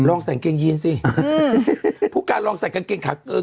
ลองใส่กางเกงยีนสิผู้การลองใส่กางเกงขาเออ